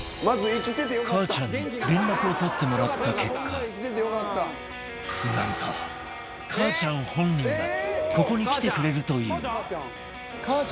かあちゃんに連絡を取ってもらった結果なんとかあちゃん本人がここに来てくれるという